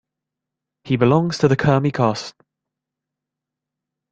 He belongs to the Kurmi caste.